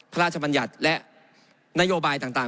พระราชบัญญัติและนโยบายต่าง